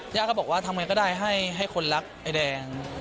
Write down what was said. ย่าก็บอกว่าทำไงก็ได้ให้คนรักไอ้แดง